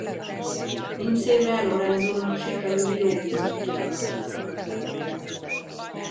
Incével Lorenzónak sikerült jó viszonyt kialakítania.